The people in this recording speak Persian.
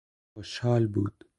خوشحال بود